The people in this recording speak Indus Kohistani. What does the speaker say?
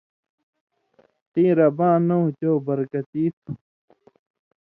تیں رباں نؤں چو برکتی تُھو،